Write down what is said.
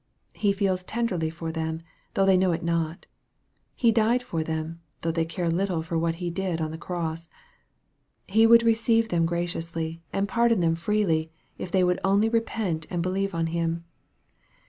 He feels tenderly for them, though they know it not. He died for them, though they care little for what He did on the cross. He would receive them graciously, and pardon them freely, if they would only repent and believe on Him.